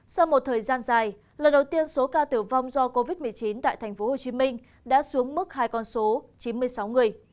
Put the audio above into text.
sau một thời gian dài lần đầu tiên số ca tử vong do covid một mươi chín tại thành phố hồ chí minh đã xuống mức hai con số chín mươi sáu người